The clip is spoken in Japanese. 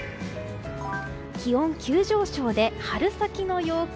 気温急上昇で春先の陽気。